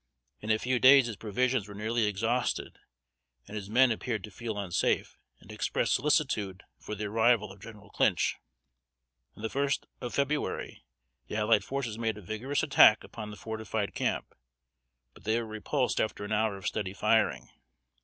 In a few days his provisions were nearly exhausted, and his men appeared to feel unsafe, and expressed solicitude for the arrival of General Clinch. On the first of February, the allied forces made a vigorous attack upon the fortified camp, but they were repulsed after an hour of steady firing.